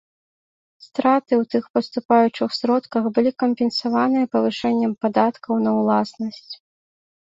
Страты ў тых паступаючых сродках былі кампенсаваныя павышэннем падаткаў на ўласнасць.